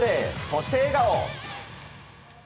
そして笑顔。